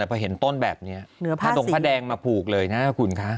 พาดงพระแดงมาผูกเลยนะ